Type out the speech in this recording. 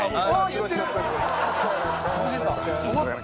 言ってる！